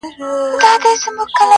د غراب او پنجرې یې سره څه.